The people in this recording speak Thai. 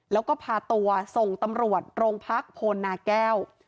แล้วก็พาตัวส่งตำรวจโรงพักโพนาแก้ว